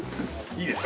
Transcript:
いいですか？